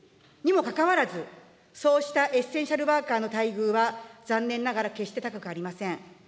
にもかかわらず、そうしたエッセンシャルワーカーの待遇は、残念ながら決して高くありません。